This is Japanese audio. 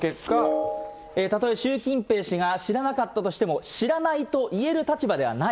たとえ習近平氏が知らなかったとしても、知らないと言える立場ではない。